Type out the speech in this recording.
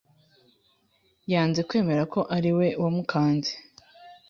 Yanze kwemera ko ariwe wamukanze